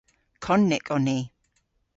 Konnyk on ni.